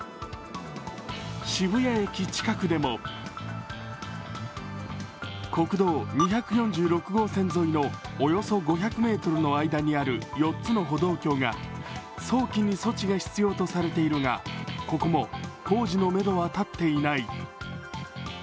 渋谷駅近くでも国道２４６号沿いのおよそ５００ｍの間にある４つの歩道橋が早期に措置が必要とされているが、ここも工事のめどは立っていない。